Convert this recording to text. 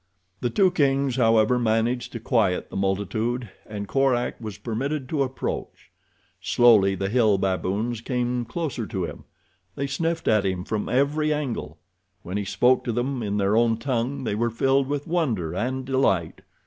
The two kings, however, managed to quiet the multitude, and Korak was permitted to approach. Slowly the hill baboons came closer to him. They sniffed at him from every angle. When he spoke to them in their own tongue they were filled with wonder and delight.